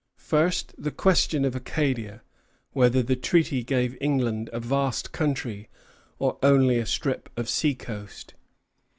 First, the question of Acadia: whether the treaty gave England a vast country, or only a strip of seacoast.